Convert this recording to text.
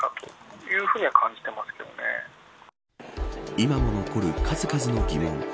今も残る数々の疑問。